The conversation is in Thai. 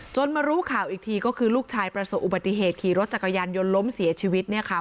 มารู้ข่าวอีกทีก็คือลูกชายประสบอุบัติเหตุขี่รถจักรยานยนต์ล้มเสียชีวิตเนี่ยค่ะ